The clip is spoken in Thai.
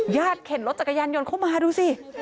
เข็นรถจักรยานยนต์เข้ามาดูสิ